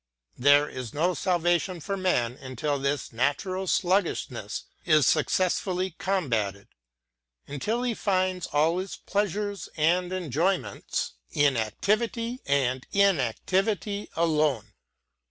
There is no salva tion for man until this natural sluggishness is successfully combated, — until he find all his pleasures and enjoyments U v. bivity alone.